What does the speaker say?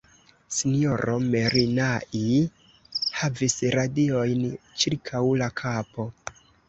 S-ro Merinai havis radiojn ĉirkaŭ la kapo.